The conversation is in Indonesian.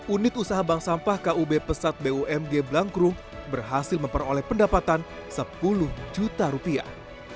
unit usaha bank sampah kub pesat bumg blangkrum berhasil memperoleh pendapatan sepuluh juta rupiah